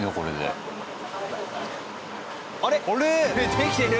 できてる！